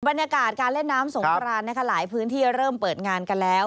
บรรยากาศการเล่นน้ำสงครานนะคะหลายพื้นที่เริ่มเปิดงานกันแล้ว